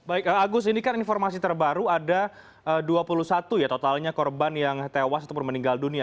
baik agus ini kan informasi terbaru ada dua puluh satu ya totalnya korban yang tewas ataupun meninggal dunia